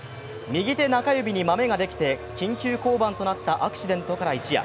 右手中指にマメができて緊急降板となったアクシデントから一夜。